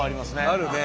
あるね。